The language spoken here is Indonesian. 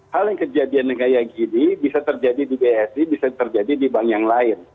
hal yang kejadian kayak gini bisa terjadi di bsi bisa terjadi di bank yang lain